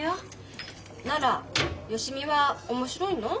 なら芳美は面白いの？